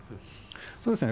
そうですね。